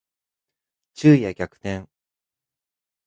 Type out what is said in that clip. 昼夜逆転